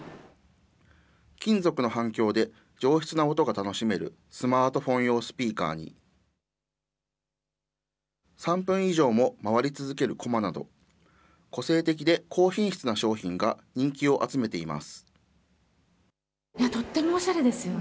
金属の反響で上質な音が楽しめるスマートフォン用スピーカーに、３分以上も回り続けるコマなど、個性的で高品質な商品が人気を集めています。